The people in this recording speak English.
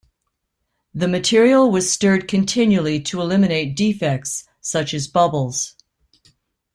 The material was stirred continually to eliminate defects, such as bubbles.